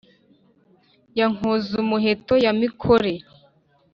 ya nkoz-umuheto ya mikore,